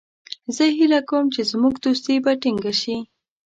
زه هیله کوم چې زموږ دوستي به ټینګه شي.